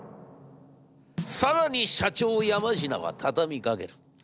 更に社長山科は畳みかける。